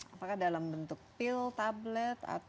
apakah dalam bentuk pil tablet